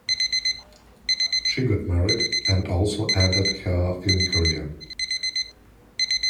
She got married and also ended her film career.